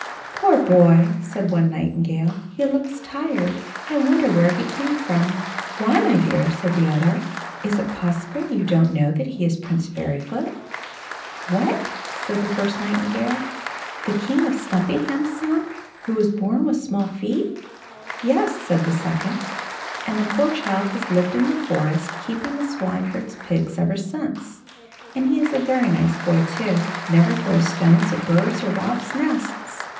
"Poor boy!" said one nightingale, "he looks tired; I wonder where he came from." "Why, my dear," said the other, "is it possible you don't know that he is Prince Fairyfoot?" "What!" said the first nightingale "the King of Stumpinghame's son, who was born with small feet?" "Yes," said the second. "And the poor child has lived in the forest, keeping the swineherd's pigs ever since. And he is a very nice boy, too never throws stones at birds or robs nests."